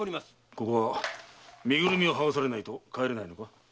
ここは身ぐるみをはがされないと帰れないのか？